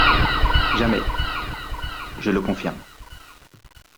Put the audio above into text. Jamais, je le confirme.